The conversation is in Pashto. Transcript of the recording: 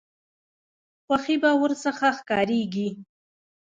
خوښي به ورڅخه ښکاریږي.